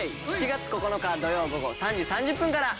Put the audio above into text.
７月９日土曜午後３時３０分から。